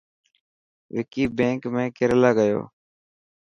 وڪي بينڪ ۾ ڪيريلا گيو؟